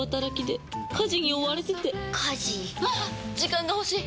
時間が欲しい！